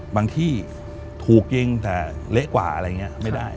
ที่ถูกยิงแต่เละกว่าอะไรอย่างนี้ไม่ได้